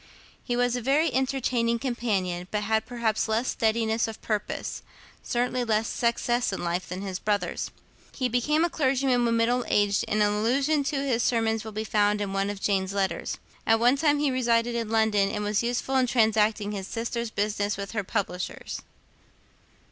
He was a very entertaining companion, but had perhaps less steadiness of purpose, certainly less success in life, than his brothers. He became a clergyman when middle aged; and an allusion to his sermons will be found in one of Jane's letters. At one time he resided in London, and was useful in transacting his sister's business with her publishers.